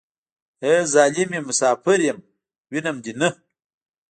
ای ظالمې مسافر يم وينم دې نه.